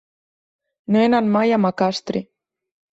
No he anat mai a Macastre.